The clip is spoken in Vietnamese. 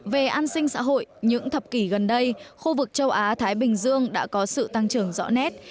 về an sinh xã hội những thập kỷ gần đây khu vực châu á thái bình dương đã có sự tăng trưởng rõ nét